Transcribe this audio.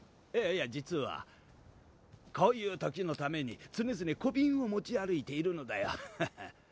いやいや実はこういうときのために常々小瓶を持ち歩いているのだよ